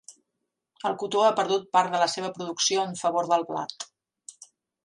El cotó ha perdut part de la seva producció en favor del blat.